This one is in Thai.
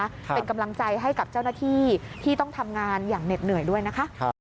เป็นกำลังใจให้กับเจ้าหน้าที่ที่ต้องทำงานอย่างเหน็ดเหนื่อยด้วยนะคะ